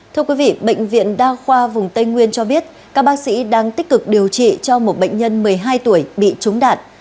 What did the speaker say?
thưa quý vị bệnh viện đa khoa vùng tây nguyên cho biết các bác sĩ đang tích cực điều trị cho một bệnh nhân một mươi hai tuổi bị trúng đạn